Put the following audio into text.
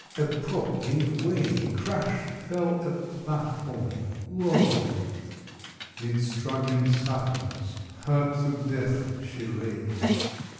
A prop gave way! crash fell a platform! Lo, Mid struggling sufferers, hurt to death, she lay!